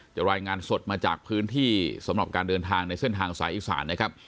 รายงานสดมาจากพื้นที่สำหรับการเดินทางในเส้นทางสายอีสานนะครับ